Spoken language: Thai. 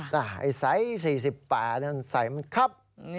ไซส์๔๘ใส่มันครับ